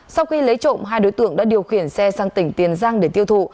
sau khi lấy trộm hai đối tượng đã điều khiển xe sang tỉnh tiền giang để tiêu thụ